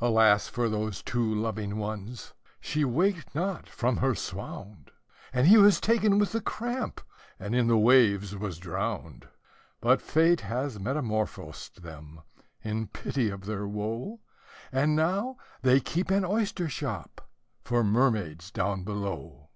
Alas for those two loving ones! she waked not from her swound, And he was taken with the cramp, and in the waves was drowned; But Fate has metamorphosed them, in pity of their woe, And now they keep an oyster shop for mermaids down below.